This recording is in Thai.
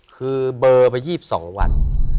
คือเบลอไป๒๒วัน